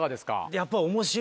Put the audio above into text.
やっぱ。